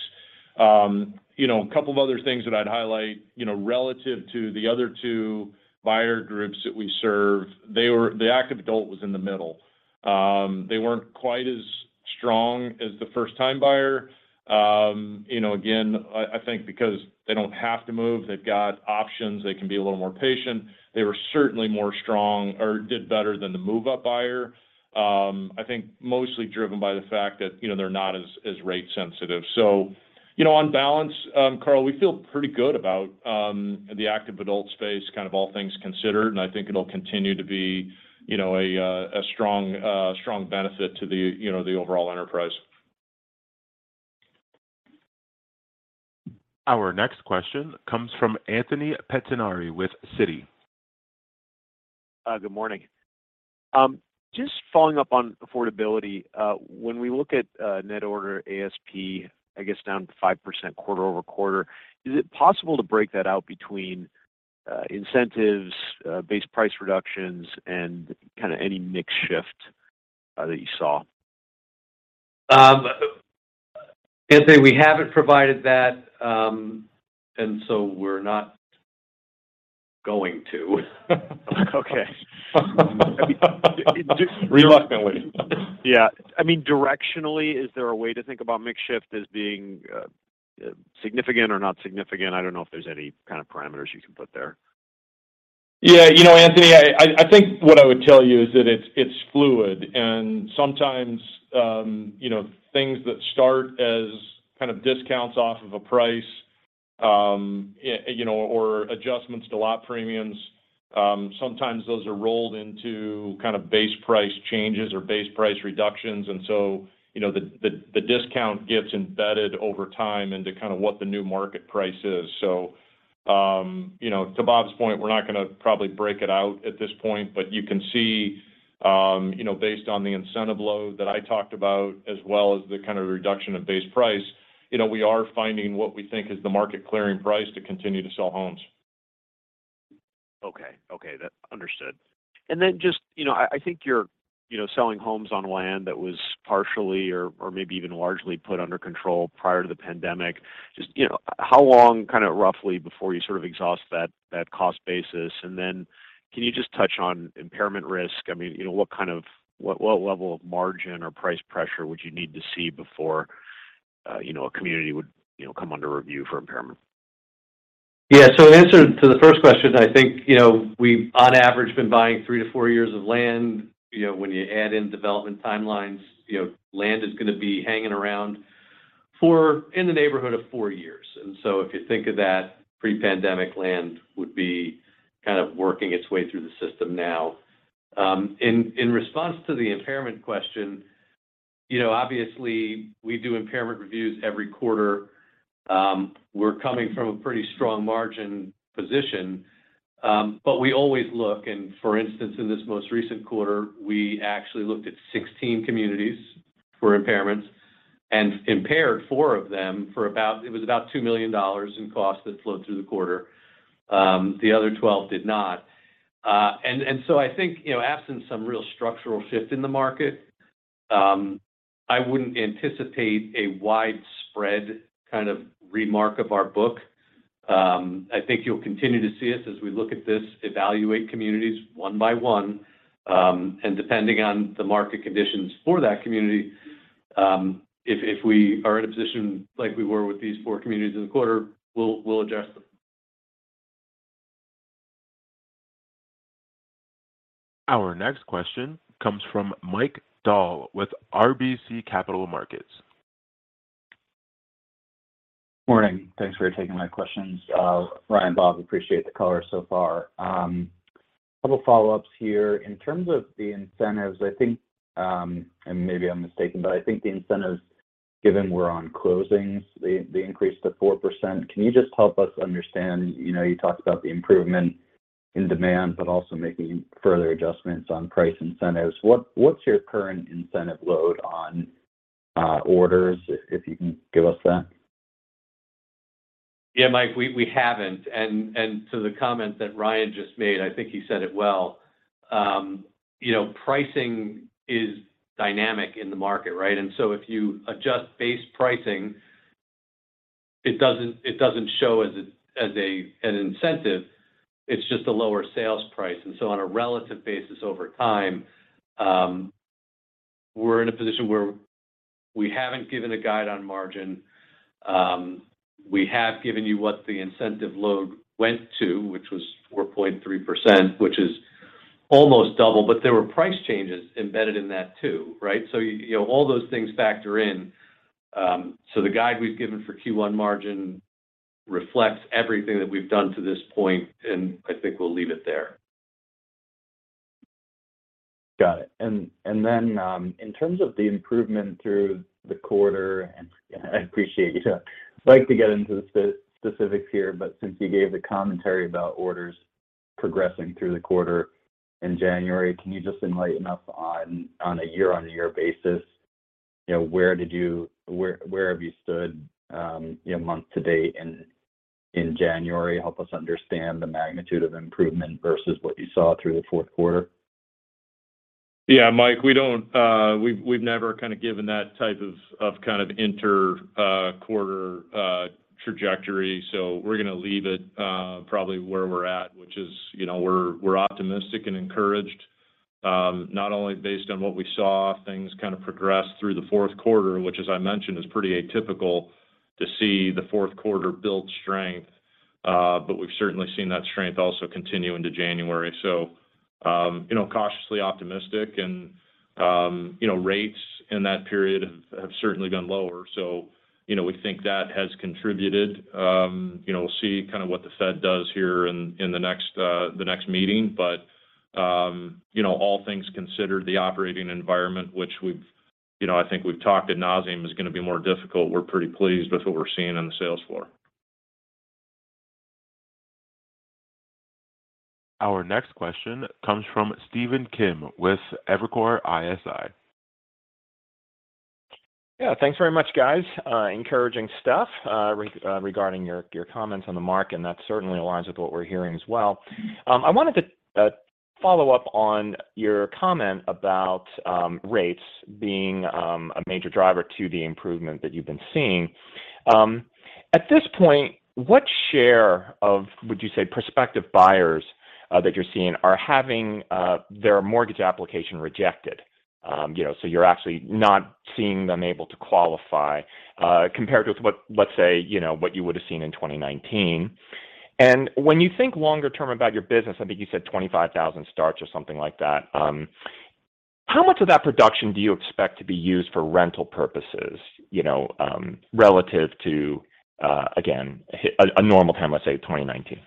You know, a couple of other things that I'd highlight, you know, relative to the other two buyer groups that we serve, the active adult was in the middle. They weren't quite as strong as the first time buyer. You know, again, I think because they don't have to move, they've got options, they can be a little more patient. They were certainly more strong or did better than the move-up buyer. I think mostly driven by the fact that, you know, they're not as rate sensitive. You know, on balance, Carl, we feel pretty good about the active adult space, kind of all things considered, and I think it'll continue to be, you know, a strong benefit to the, you know, the overall enterprise. Our next question comes from Anthony Pettinari with Citi. Good morning. Just following up on affordability. When we look at net order ASP, I guess down 5% quarter-over-quarter, is it possible to break that out between incentives, base price reductions, and kind of any mix shift that you saw? Anthony, we haven't provided that, and so we're not going to. Okay. Reluctantly. I mean, directionally, is there a way to think about mix shift as being significant or not significant? I don't know if there's any kind of parameters you can put there. Yeah. You know, Anthony, I think what I would tell you is that it's fluid. Sometimes, you know, things that start as kind of discounts off of a price, you know, or adjustments to lot premiums, sometimes those are rolled into kind of base price changes or base price reductions. You know, the discount gets embedded over time into kind of what the new market price is. You know, to Bob's point, we're not gonna probably break it out at this point, but you can see, you know, based on the incentive load that I talked about as well as the kind of reduction of base price, you know, we are finding what we think is the market clearing price to continue to sell homes. Okay, understood. Just, you know, I think you're, you know, selling homes on land that was partially or maybe even largely put under control prior to the pandemic. Just, you know, how long kind of roughly before you sort of exhaust that cost basis? Can you just touch on impairment risk? I mean, you know, what level of margin or price pressure would you need to see before, you know, a community would, you know, come under review for impairment? In answer to the first question, I think, you know, we've on average been buying three-four years of land. You know, when you add in development timelines, you know, land is gonna be hanging around for in the neighborhood of four years. If you think of that pre-pandemic land would be kind of working its way through the system now. In response to the impairment question, you know, obviously we do impairment reviews every quarter. We're coming from a pretty strong margin position, but we always look. For instance, in this most recent quarter, we actually looked at 16 communities for impairments and impaired four of them for about it was about $2 million in cost that flowed through the quarter. The other 12 did not. I think, you know, absent some real structural shift in the market, I wouldn't anticipate a widespread kind of remark of our book. I think you'll continue to see us as we look at this, evaluate communities one by one. Depending on the market conditions for that community, if we are in a position like we were with these four communities in the quarter, we'll address them. Our next question comes from Mike Dahl with RBC Capital Markets. Morning. Thanks for taking my questions. Ryan, Bob, appreciate the color so far. Couple follow-ups here. In terms of the incentives, I think, maybe I'm mistaken, but I think the incentives given were on closings, the increase to 4%. Can you just help us understand? You know, you talked about the improvement in demand, but also making further adjustments on price incentives. What's your current incentive load on orders, if you can give us that? Yeah, Mike, we haven't. The comment that Ryan just made, I think he said it well. You know, pricing is dynamic in the market, right? If you adjust base pricing, it doesn't show as an incentive. It's just a lower sales price. On a relative basis over time, we're in a position where we haven't given a guide on margin. We have given you what the incentive load went to, which was 4.3%, which is almost double. There were price changes embedded in that too, right? You know, all those things factor in. The guide we've given for Q1 margin reflects everything that we've done to this point, and I think we'll leave it there. Got it. Then, in terms of the improvement through the quarter, and I appreciate you don't like to get into the specifics here, but since you gave the commentary about orders progressing through the quarter in January. Can you just enlighten us on a year-on-year basis, you know, where have you stood, you know, month to date in January? Help us understand the magnitude of improvement versus what you saw through the fourth quarter? Yeah, Mike, we don't. We've never kind of given that type of kind of inter quarter trajectory. We're gonna leave it probably where we're at, which is, you know, we're optimistic and encouraged, not only based on what we saw things kind of progress through the fourth quarter, which as I mentioned is pretty atypical to see the fourth quarter build strength. We've certainly seen that strength also continue into January. You know, cautiously optimistic and, you know, rates in that period have certainly been lower. You know, we think that has contributed. You know, we'll see kind of what the Fed does here in the next meeting. You know, all things considered, the operating environment, which we've, you know, I think we've talked ad nauseam, is gonna be more difficult. We're pretty pleased with what we're seeing on the sales floor. Our next question comes from Stephen Kim with Evercore ISI. Yeah. Thanks very much, guys. Encouraging stuff regarding your comments on the market, and that certainly aligns with what we're hearing as well. I wanted to follow up on your comment about rates being a major driver to the improvement that you've been seeing. At this point, what share of, would you say, prospective buyers that you're seeing are having their mortgage application rejected? You know, so you're actually not seeing them able to qualify, compared with what, let's say, you know, what you would have seen in 2019. When you think longer term about your business, I think you said 25,000 starts or something like that. How much of that production do you expect to be used for rental purposes, you know, relative to, again, a normal time, let's say 2019?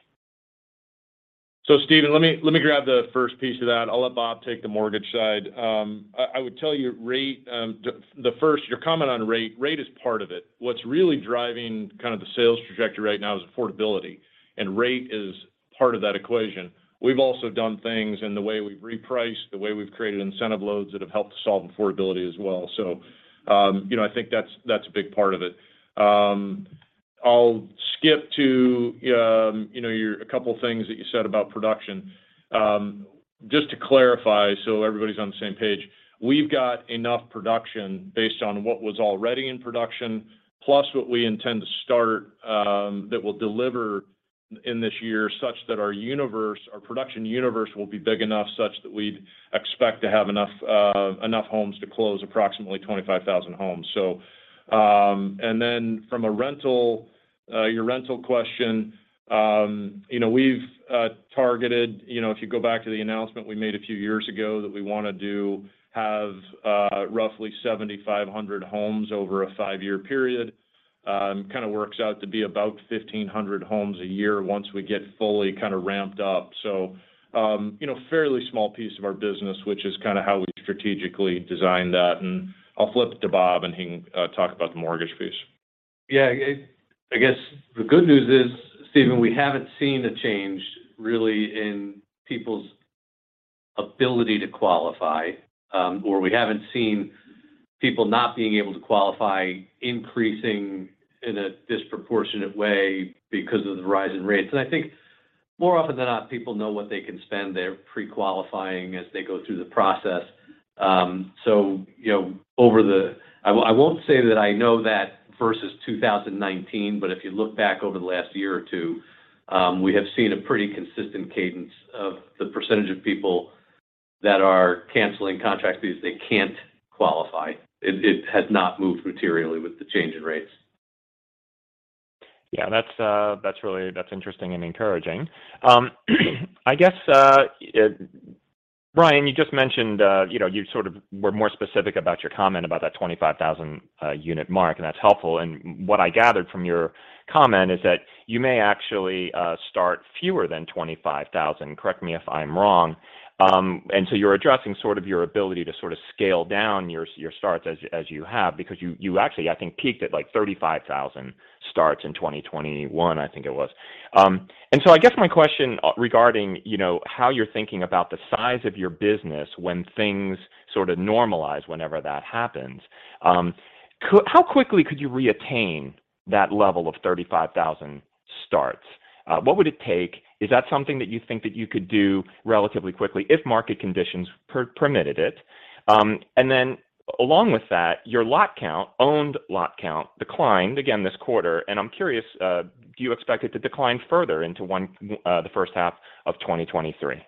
Stephen, let me grab the first piece of that. I'll let Bob take the mortgage side. I would tell you rate, Your comment on rate is part of it. What's really driving kind of the sales trajectory right now is affordability, and rate is part of that equation. We've also done things in the way we've repriced, the way we've created incentive loads that have helped to solve affordability as well. You know, I think that's a big part of it. I'll skip to, you know, a couple things that you said about production. Just to clarify so everybody's on the same page, we've got enough production based on what was already in production, plus what we intend to start, that will deliver in this year such that our universe, our production universe will be big enough such that we'd expect to have enough homes to close approximately 25,000 homes. And then from a rental, your rental question, you know, we've targeted, you know, if you go back to the announcement we made a few years ago that we wanna do have, roughly 7,500 homes over a five-year period, kind of works out to be about 1,500 homes a year once we get fully kind of ramped up. You know, fairly small piece of our business, which is kind of how we strategically designed that. I'll flip it to Bob, and he can talk about the mortgage piece. Yeah. I guess the good news is, Stephen, we haven't seen a change really in people's ability to qualify, or we haven't seen people not being able to qualify increasing in a disproportionate way because of the rise in rates. I think more often than not, people know what they can spend. They're pre-qualifying as they go through the process. You know, over the... I won't say that I know that versus 2019, but if you look back over the last year or two, we have seen a pretty consistent cadence of the percentage of people that are canceling contracts because they can't qualify. It has not moved materially with the change in rates. Yeah, that's interesting and encouraging. I guess Ryan, you just mentioned, you know, you sort of were more specific about your comment about that 25,000 unit mark, that's helpful. What I gathered from your comment is that you may actually start fewer than 25,000. Correct me if I'm wrong. You're addressing sort of your ability to sort of scale down your starts as you have because you actually, I think, peaked at, like, 35,000 starts in 2021, I think it was. I guess my question, regarding, you know, how you're thinking about the size of your business when things sort of normalize, whenever that happens, how quickly could you reattain that level of 35,000 starts? What would it take? Is that something that you think that you could do relatively quickly if market conditions permitted it? Along with that, your lot count, owned lot count declined again this quarter, and I'm curious, do you expect it to decline further into the first half of 2023?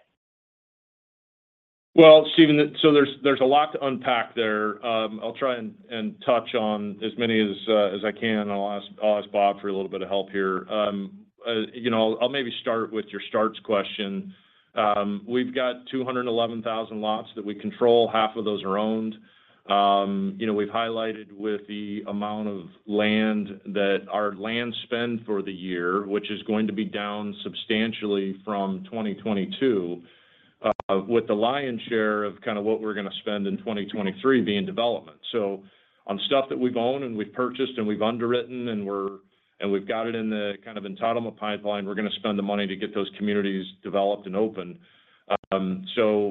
Stephen, there's a lot to unpack there. I'll try and touch on as many as I can. I'll ask Bob for a little bit of help here. you know, I'll maybe start with your starts question. We've got 211,000 lots that we control. Half of those are owned. you know, we've highlighted with the amount of land that our land spend for the year, which is going to be down substantially from 2022, with the lion's share of kind of what we're gonna spend in 2023 being development. On stuff that we've owned and we've purchased and we've underwritten and we've got it in the kind of entitlement pipeline, we're gonna spend the money to get those communities developed and open.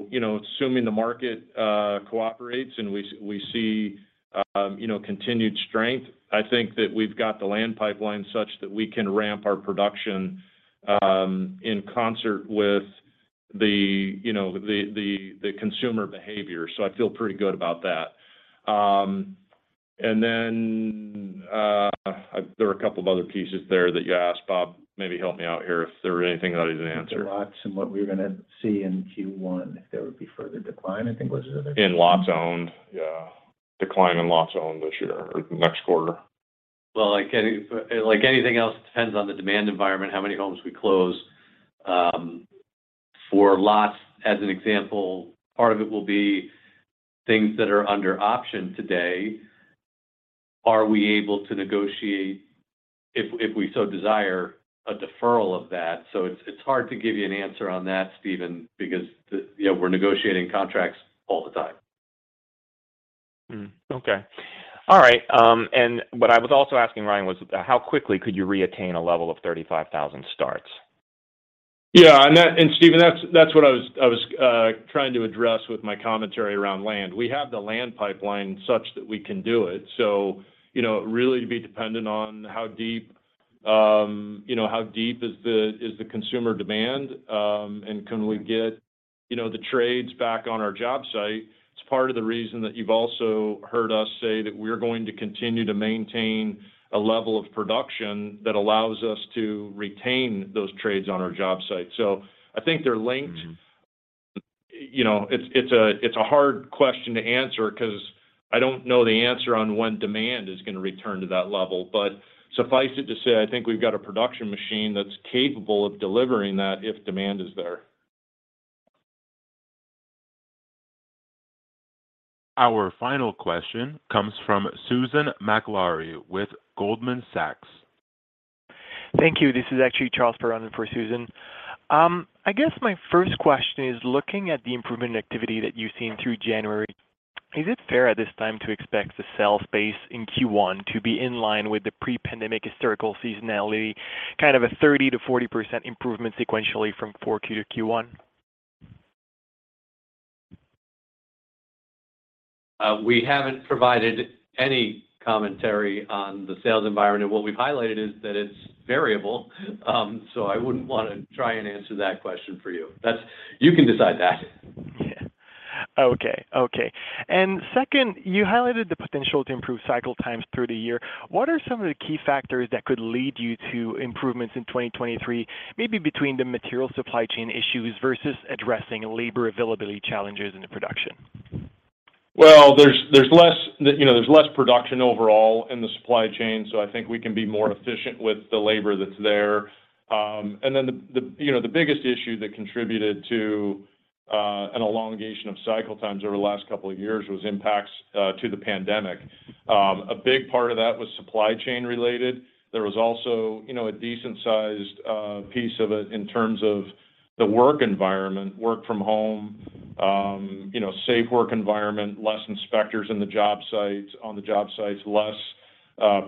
You know, assuming the market cooperates and we see, you know, continued strength, I think that we've got the land pipeline such that we can ramp our production, in concert with the, you know, the, the consumer behavior. I feel pretty good about that. Then, there are a couple of other pieces there that you asked Bob, maybe help me out here if there was anything that I didn't answer. The lots and what we're gonna see in Q1, if there would be further decline, I think was the other- In lots owned. Yeah. Decline in lots owned this year or next quarter. Well, like anything else, it depends on the demand environment, how many homes we close. For lots, as an example, part of it will be things that are under option today. Are we able to negotiate, if we so desire, a deferral of that? It's hard to give you an answer on that, Stephen, because the... you know, we're negotiating contracts all the time. Okay. All right. What I was also asking, Ryan, was how quickly could you reattain a level of 35,000 starts? Stephen, that's what I was trying to address with my commentary around land. We have the land pipeline such that we can do it. You know, really to be dependent on how deep, you know, how deep is the, is the consumer demand, and can we get, you know, the trades back on our job site. It's part of the reason that you've also heard us say that we're going to continue to maintain a level of production that allows us to retain those trades on our job site. I think they're linked. Mm-hmm. You know, it's a hard question to answer 'cause I don't know the answer on when demand is gonna return to that level. Suffice it to say, I think we've got a production machine that's capable of delivering that if demand is there. Our final question comes from Susan Maklari with Goldman Sachs. Thank you. This is actually Charles Perrone for Susan. I guess my first question is, looking at the improvement activity that you've seen through January, is it fair at this time to expect the sell space in Q1 to be in line with the pre-pandemic historical seasonality, kind of a 30%-40% improvement sequentially from 4Q to Q1? We haven't provided any commentary on the sales environment. What we've highlighted is that it's variable, I wouldn't wanna try and answer that question for you. You can decide that. Yeah. Okay. Okay. Second, you highlighted the potential to improve cycle times through the year. What are some of the key factors that could lead you to improvements in 2023, maybe between the material supply chain issues versus addressing labor availability challenges in the production? Well, there's less, you know, there's less production overall in the supply chain, so I think we can be more efficient with the labor that's there. The biggest issue that contributed to an elongation of cycle times over the last couple of years was impacts to the pandemic. A big part of that was supply chain related. There was also, you know, a decent sized piece of it in terms of the work environment, work from home, you know, safe work environment, less inspectors on the job sites, less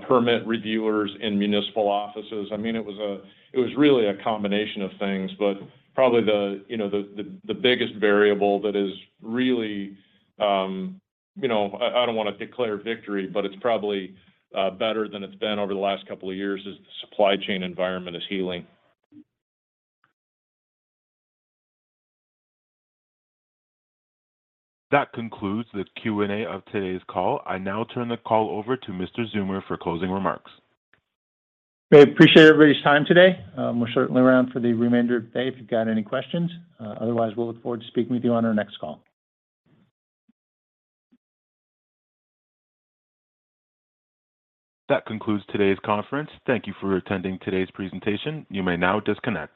permit reviewers in municipal offices. I mean, it was really a combination of things, but probably the, you know, the biggest variable that is really, you know, I don't wanna declare victory, but it's probably better than it's been over the last couple of years is the supply chain environment is healing. That concludes the Q&A of today's call. I now turn the call over to Mr. Zeumer for closing remarks. We appreciate everybody's time today. We're certainly around for the remainder of the day if you've got any questions. Otherwise, we'll look forward to speaking with you on our next call. That concludes today's conference. Thank you for attending today's presentation. You may now disconnect.